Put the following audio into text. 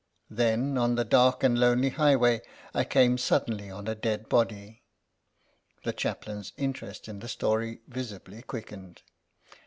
Then, on the dark and lonely highway, I came suddenly on a dead body." The Chaplain's interest in the story visibly quickened.